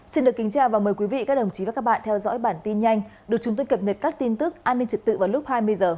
xin được kính chào và mời quý vị các đồng chí và các bạn theo dõi bản tin nhanh được chúng tôi cập nhật các tin tức an ninh trật tự vào lúc hai mươi h